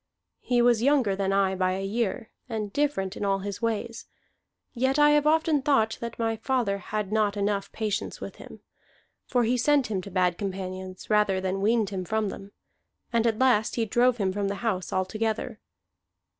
He was younger than I by a year, and different in all his ways; yet I have often thought that my father had not enough patience with him. For he sent him to bad companions rather than weaned him from them, and at last he drove him from the house altogether.